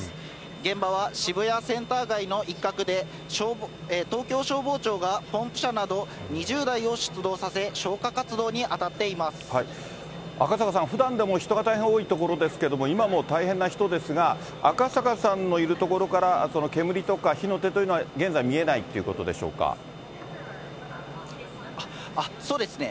現場は渋谷センター街の一角で、東京消防庁がポンプ車など２０台を出動させ、赤坂さん、ふだんでも人が大変多い所ですけど、今も大変な人ですが、赤坂さんのいる所から、煙とか火の手とかは現在、そうですね。